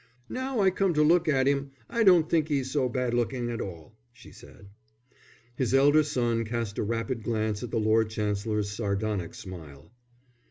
"Now I come to look at 'im, I don't think 'e's so bad looking after all," she said. His elder son cast a rapid glance at the Lord Chancellor's sardonic smile.